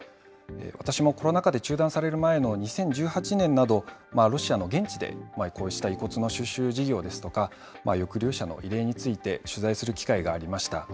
私もコロナ禍で中断される前の２０１８年など、ロシアの現地でこうした遺骨の収集事業ですとか、抑留者の慰霊について取材する機会がありました。